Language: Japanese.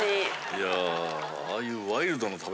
いやああいう。